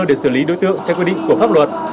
để xử lý đối tượng theo quy định của pháp luật